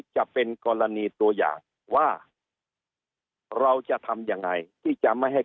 จะเป็นกรณีตัวอย่างว่าเราจะทำยังไงที่จะไม่ให้